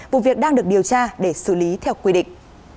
vụ việc đang được điều tra để xử lý theo quy định